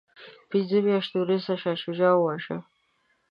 پنځه میاشتې وروسته شاه شجاع وواژه.